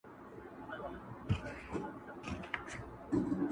خدای بې اجر راکړي بې ګنا یم ښه پوهېږمه,